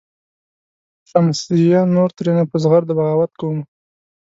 "شمسزیه نور ترېنه په زغرده بغاوت کومه.